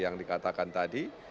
yang dikatakan tadi